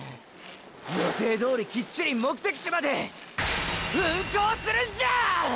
予定どおりキッチリ目的地まで運行するんじゃ！！